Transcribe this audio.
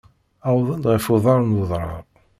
Wwḍen-d ɣef uḍar n udrar.